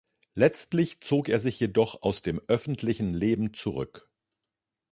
Letztlich zog er sich jedoch aus dem öffentlichen Leben zurück.